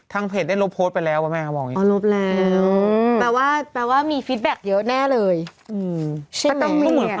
ทางเพจได้ลบโพสต์ไปผมทีไปแล้ว